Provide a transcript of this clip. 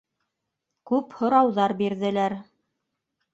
Күп һорауҙар бирҙеләр.